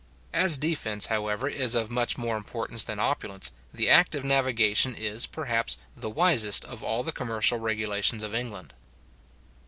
As defence, however, is of much more importance than opulence, the act of navigation is, perhaps, the wisest of all the commercial regulations of England.